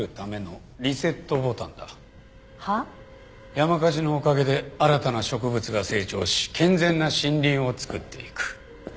山火事のおかげで新たな植物が成長し健全な森林を作っていく。